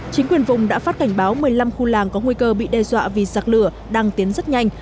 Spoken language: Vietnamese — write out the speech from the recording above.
chính quyền vùng đã phát cảnh báo một mươi năm khu làng có nguy cơ bị đe dọa vì giặc lửa đang tiến rất nhanh